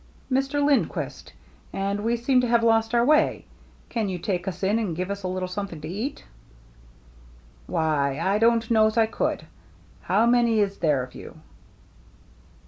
"— Mr. Lindquist, and we seem to have lost our way. Can you take us in and give us a little something to eat ?" "Why, I don't know's I could. How many is there of you